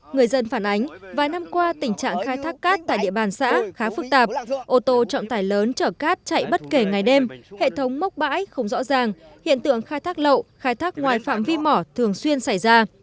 người dân phản ánh vài năm qua tình trạng khai thác cát tại địa bàn xã khá phức tạp ô tô trọng tải lớn chở cát chạy bất kể ngày đêm hệ thống mốc bãi không rõ ràng hiện tượng khai thác lậu khai thác ngoài phạm vi mỏ thường xuyên xảy ra